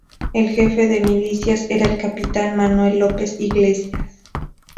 El jefe de milicias era el capitán Manuel López Iglesias.